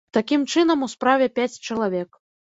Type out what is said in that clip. Такім чынам, у справе пяць чалавек.